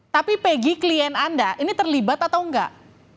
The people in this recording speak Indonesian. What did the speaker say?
tapi peggy klien anda ini terlibat atau enggak